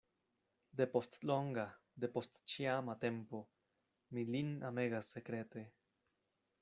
Depost longa, depost ĉiama tempo, mi lin amegas sekrete.